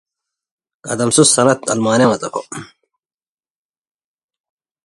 If I had the choice, I would ask my best friend to dance.